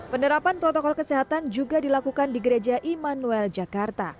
penerapan protokol kesehatan juga dilakukan di gereja immanuel jakarta